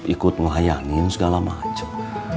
ikut ngelayanin segala macem